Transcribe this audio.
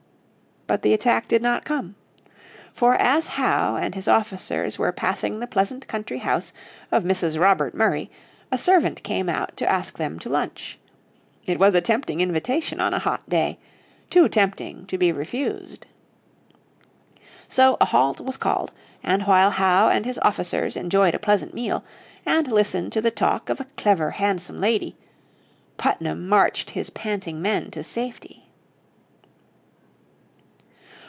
But the attack did not come. For as Howe and his officers were passing the pleasant country house of Mrs. Robert Murray a servant came out to ask them to lunch. It was a tempting invitation on a hot day, too tempting to be refused. So a halt was called, and while Howe and his officers enjoyed a pleasant meal, and listened to the talk of a clever, handsome lady, Putnam marched his panting men to safety.